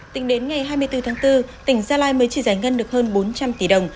tính đến ngày hai mươi bốn tháng bốn tỉnh gia lai mới chỉ giải ngân được hơn bốn trăm linh tỷ đồng